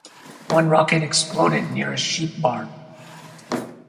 One rocket exploded near a sheep barn.